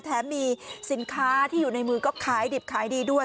แถมมีสินค้าที่อยู่ในมือก็ขายดิบขายดีด้วย